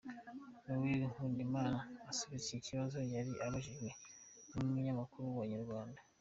Noel Nkundimana asubiza iki kibazo yari abajijwe n'umunyamakuru wa Inyarwanda.